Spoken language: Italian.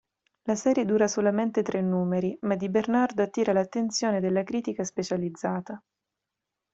La serie dura solamente tre numeri, ma Di Bernardo attira l'attenzione della critica specializzata.